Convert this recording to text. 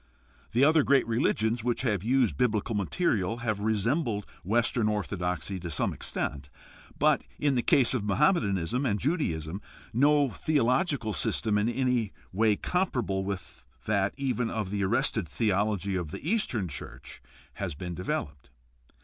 The other great religions which have used biblical material have resembled Western orthodoxy to some extent, but in the case of Mohammedanism and Judaism no theological system in any way comparable with that even of the arrested theology of the Eastern church has been developed.